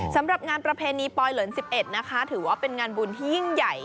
สำหรับงานประเพณีปลอยเหลิน๑๑นะคะถือว่าเป็นงานบุญที่ยิ่งใหญ่